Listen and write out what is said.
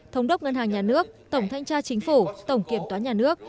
thống đốc ngân hàng nhà nước tổng thanh tra chính phủ tổng kiểm toán nhà nước